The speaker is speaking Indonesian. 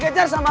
ey jangan lah